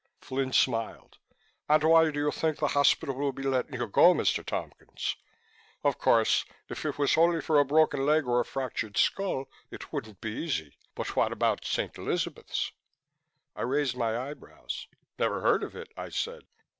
Flynn smiled. "And why do you think the hospital will be letting you go, Mr. Tompkins? Of course, if it was only for a broken leg or a fractured skull, it would be easy, but what about St. Elizabeth's?" I raised my eyebrows. "Never heard of it," I said.